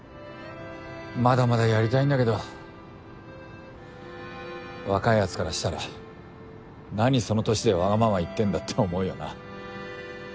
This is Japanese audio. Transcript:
まだまだやりたいんだけど若いやつからしたらなにその年でワガママ言ってんだって思うよな。